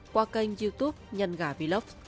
qua kênh youtube nhân gà vlog